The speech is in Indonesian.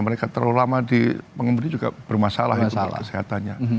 mereka terlalu lama di pengemudi juga bermasalah ya soal kesehatannya